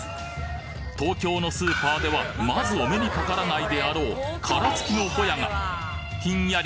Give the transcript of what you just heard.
東京のスーパーではまずお目にかからないであろう殻付きのホヤがひんやり